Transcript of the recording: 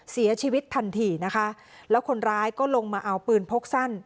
เสียชีวิตทันทีนะคะแล้วคนร้ายก็ลงมาเอาปืนพกสั้น